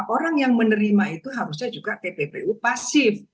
orang yang menerima itu harusnya juga tppu pasif